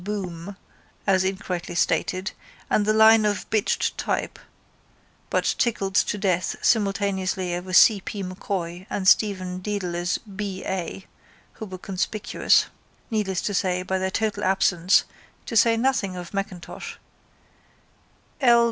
Boom (as it incorrectly stated) and the line of bitched type but tickled to death simultaneously by C. P. M'Coy and Stephen Dedalus B. A. who were conspicuous, needless to say, by their total absence (to say nothing of M'Intosh) L.